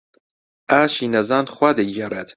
ئاشی نەزان خوا دەیگێڕێت.